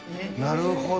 なるほど。